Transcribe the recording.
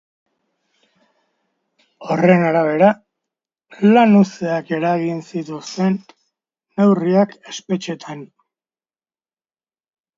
Horren arabera, lanuzteak eragin zituzten neurriak atzera botako ditu enpresak.